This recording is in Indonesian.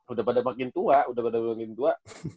udah pada makin tua udah pada bagian tua